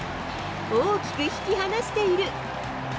大きく引き離している。